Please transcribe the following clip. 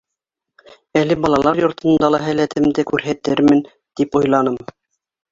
Әле балалар йортонда ла һәләтемде күрһәтермен, тип уйланым.